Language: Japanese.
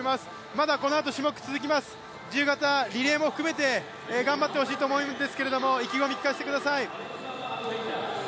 まだこのあと種目続きます、自由形、リレーも含めて頑張ってほしいと思うんですけれども意気込み聞かせてください。